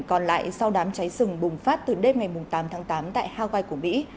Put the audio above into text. còn lại sau đám cháy rừng bùng phát từ đêm ngày tám tháng tám tại hawaii của mỹ